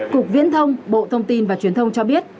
cục viễn thông bộ thông tin và truyền thông cho biết